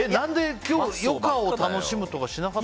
余暇を楽しむとかしなかった？